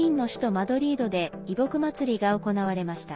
マドリードで移牧祭りが行われました。